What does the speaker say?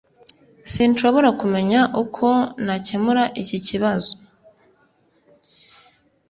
Sinshobora kumenya uko nakemura iki kibazo.